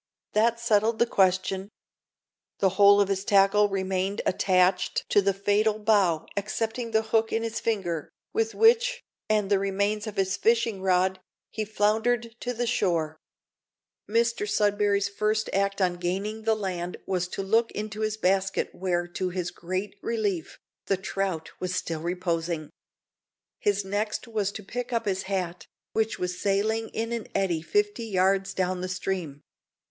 That settled the question. The whole of his tackle remained attached to the fatal bough excepting the hook in his finger, with which, and the remains of his fishing rod, he floundered to the shore. Mr Sudberry's first act on gaining the land was to look into his basket, where, to his great relief, the trout was still reposing. His next was to pick up his hat, which was sailing in an eddy fifty yards down the stream.